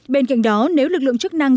bên cạnh đó nếu lực lượng chức năng